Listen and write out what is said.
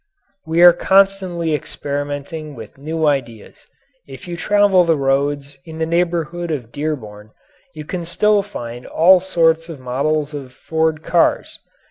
We are constantly experimenting with new ideas. If you travel the roads in the neighbourhood of Dearborn you can find all sorts of models of Ford cars.